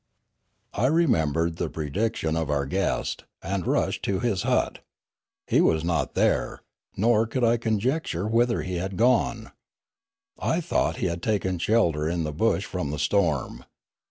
I remembered the prediction of our guest, and rushed to his hut. He was not there; nor could I conjecture whither he had gone. I thought he had taken shelter in the bush from the storm.